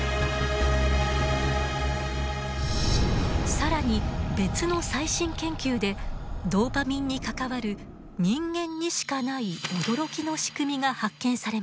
更に別の最新研究でドーパミンに関わる人間にしかない驚きの仕組みが発見されました。